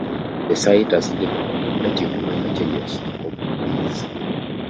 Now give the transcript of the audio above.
The site has needed only relatively minor changes to cope with these.